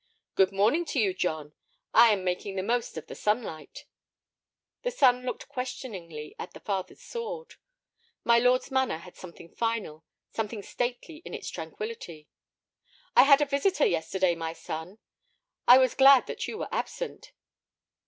"Good morning to you, John; I am making the most of the sunlight." The son looked questioningly at the father's sword. My lord's manner had something final, something stately in its tranquillity. "I had a visitor yesterday, my son; I was glad that you were absent."